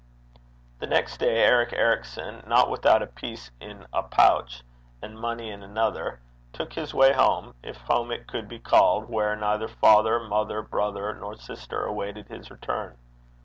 The next day, Eric Ericson, not without a piece in ae pouch and money in another, took his way home, if home it could be called where neither father, mother, brother, nor sister awaited his return.